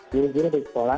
juru juru dari sekolah